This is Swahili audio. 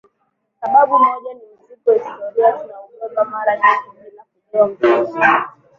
Sababu moja ni mzigo wa historia tunaoubeba mara nyingi bila kujua Mzigo